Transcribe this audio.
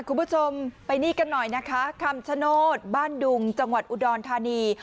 คุณผู้ชมไปนี่กันหน่อยนะคะคำชโนธบ้านดุงจังหวัดอุดรธานี